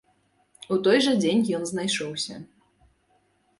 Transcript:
У той жа дзень ён знайшоўся.